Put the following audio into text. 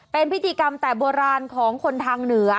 เป็นพิธีกรรมแต่โบราณของคนทางเหนือ